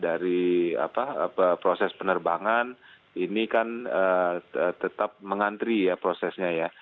dari proses penerbangan ini kan tetap mengantri ya prosesnya ya